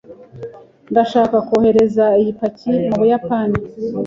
Ndashaka kohereza iyi paki mubuyapani.